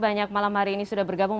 banyak malam hari ini sudah bergabung